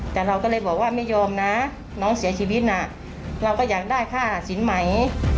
แต่เราก็เลยบอกว่าไม่ยอมนะน้องเสียชีวิตน่ะเราก็อยากได้ค่าสินใหม่